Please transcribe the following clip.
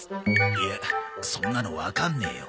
いやそんなのわかんねえよ。